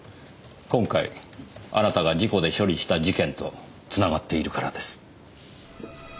今回あなたが事故で処理した事件とつながっているからです。